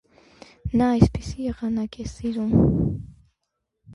Նա այսպիսի եղանակ սիրում է: